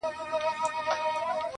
o گراني بس څو ورځي لا پاته دي.